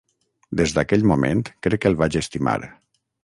Des d'aquell moment, crec que el vaig estimar.